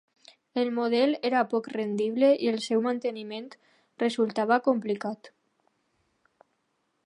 El model era poc rendible i el seu manteniment resultava complicat.